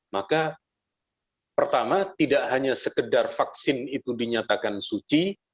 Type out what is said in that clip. maka pertama tidak hanya sekedar vaksin itu dinyatakan suci